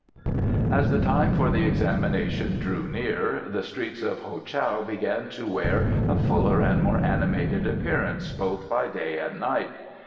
'"* As the time for the examination drew near the streets of Ho Chow began to wear a fuller and more animated appearance both by day and night.